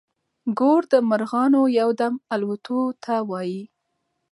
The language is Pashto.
ګور د مرغانو يو دم الوتو ته وايي.